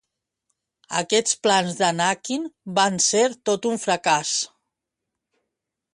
Aquests plans d'Anakin van ser tot un fracàs.